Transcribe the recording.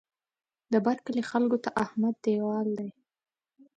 د بر کلي خلکو ته احمد دېوال دی.